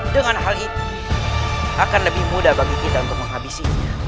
dengan hal itu akan lebih mudah bagi kita untuk menghabisinya